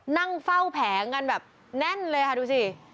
นั่งเฝ้าแผงกันแบบแน่นเลยค่ะดูสิ